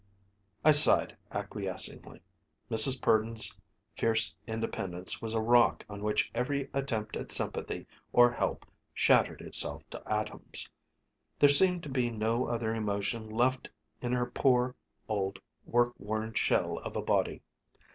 I sighed acquiescingly. Mrs. Purdon's fierce independence was a rock on which every attempt at sympathy or help shattered itself to atoms. There seemed to be no other emotion left in her poor old work worn shell of a body.